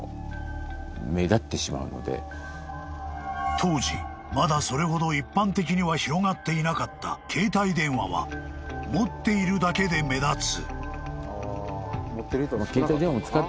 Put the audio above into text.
［当時まだそれほど一般的には広がっていなかった携帯電話は持っているだけで目立つ］